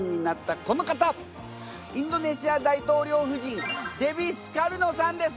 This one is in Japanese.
インドネシア大統領夫人デヴィ・スカルノさんです。